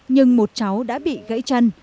nhưng một cháu đã bị gãy chân